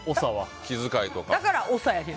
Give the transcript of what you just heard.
気遣いとか。